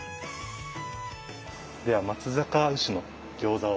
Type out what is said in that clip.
では松阪牛の餃子を。